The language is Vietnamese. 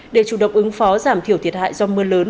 để chủ động ứng phó giảm thiểu thiệt hại do mưa lớn